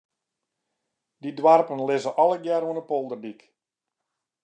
Dy doarpen lizze allegear oan de polderdyk.